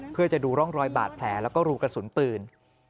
เพื่อจะดูร่องรอยบาดแผลแล้วก็รูกระสุนปืน